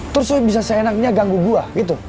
terus lu bisa seenaknya ganggu gue gitu